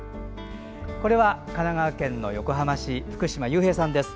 これは神奈川県横浜市の福嶋雄平さんです。